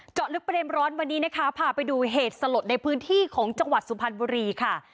เจาะลึกประเด็นร้อนวันนี้นะคะพาไปดูเหตุสลดในพื้นที่ของจังหวัดสุพรรณบุรีค่ะ